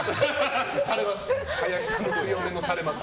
林さんの強めのされます。